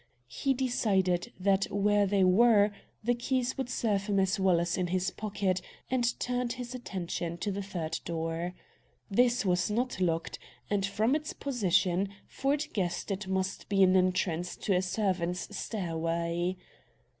He decided that where they were the keys would serve him as well as in his pocket, and turned his attention to the third door. This was not locked, and, from its position, Ford guessed it must be an entrance to a servants' stairway.